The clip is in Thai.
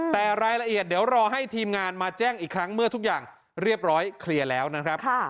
แต่รายละเอียดเดี๋ยวรอให้ทีมงานมาแจ้งอีกครั้งเมื่อทุกอย่างเรียบร้อยเคลียร์แล้วนะครับ